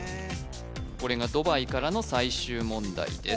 これがドバイからの最終問題です